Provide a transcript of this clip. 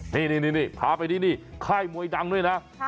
นี่พาไปที่นี่ค่ายมวยดังด้วยนะ